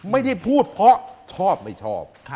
ไม่ได้พูดเพราะชอบไม่ชอบ